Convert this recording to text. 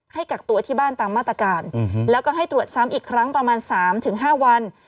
กักตัวที่บ้านตามมาตรการแล้วก็ให้ตรวจซ้ำอีกครั้งประมาณ๓๕วัน